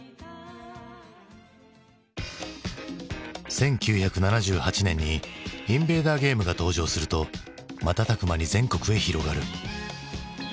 １９７８年にインベーダー・ゲームが登場すると瞬く間に全国へ広がる。